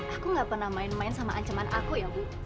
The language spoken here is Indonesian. aku gak pernah main main sama ancaman aku ya bu